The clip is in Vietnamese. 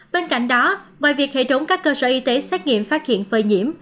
bên cạnh đó ngoài việc hệ thống các cơ sở y tế xét nghiệm phát hiện phơi nhiễm